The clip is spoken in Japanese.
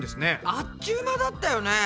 あっちゅう間だったよね。ね。